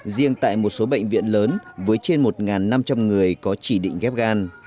riêng tại một số bệnh viện lớn với trên một năm trăm linh người có chỉ định ghép gan